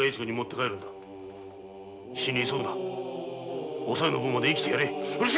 死に急ぐなおさよの分まで生きてやれ！